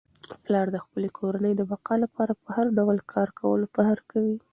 پلار د خپلې کورنی د بقا لپاره په هر ډول کار کولو فخر کوي.